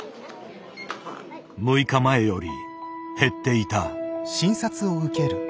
６日前より減っていた。